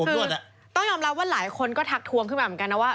คือต้องยอมรับว่าหลายคนก็ทักทวงขึ้นมาเหมือนกันนะว่า